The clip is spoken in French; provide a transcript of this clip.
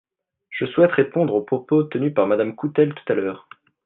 Je souhaite répondre aux propos tenus par Madame Coutelle tout à l’heure.